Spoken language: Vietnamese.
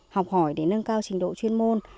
học hỏi để nâng cao trình độ chuyên môn